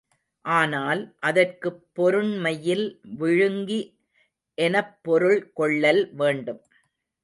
ஆனால், அதற்குப் பொருண்மையில் விழுங்கி எனப் பொருள் கொள்ளல் வேண்டும்.